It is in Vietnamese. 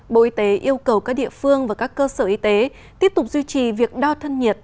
bộ y tế yêu cầu các địa phương và các cơ sở y tế tiếp tục duy trì việc đo thân nhiệt